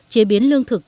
chế biến lương thực